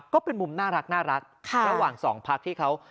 ก็เป็นมุมน่ารักระหว่างสองพักที่เขา